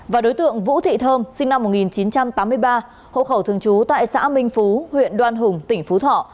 và đối tượng vũ thị thơm sinh năm một nghìn chín trăm tám mươi ba hộ khẩu thường trú tại xã minh phú huyện đoan hùng tỉnh phú thọ